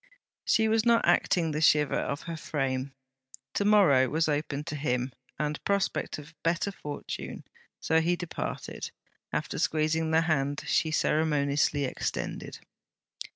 She was not acting the shiver of her frame. To morrow was open to him, and prospect of better fortune, so he departed, after squeezing the hand she ceremoniously extended.